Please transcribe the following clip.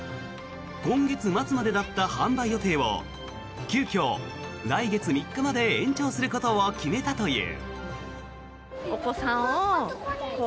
今月末までだった販売予定を急きょ、来月３日まで延長することを決めたという。